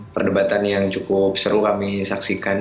perdebatan yang cukup seru kami saksikan